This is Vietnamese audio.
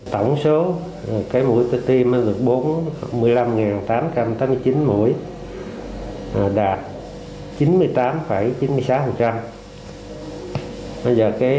tổng số mũi tiêm được một mươi năm tám trăm tám mươi chín